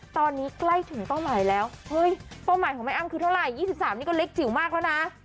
ตอนนี้ใกล้ถึงเป้าหมายแล้วเฮ้ยเป้าหมายของแม่อ้ำคือเท่าไหร่๒๓นี่ก็เล็กจิ๋วมากแล้วนะ